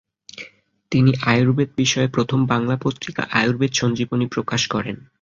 তিনি আয়ুর্বেদ বিষয়ে প্রথম বাংলা পত্রিকা আয়ুর্বেদ সঞ্জীবনী প্রকাশ করেন।